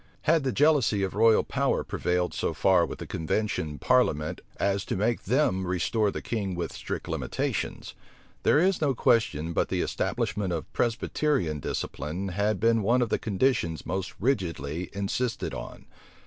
Had the jealousy of royal power prevailed so far with the convention parliament as to make them restore the king with strict limitations, there is no question but the establishment of Presbyterian discipline had been one of the conditions most rigidly insisted on.